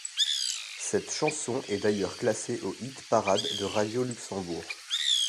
Cette chanson est d'ailleurs classé au hit-parade de Radio Luxembourg.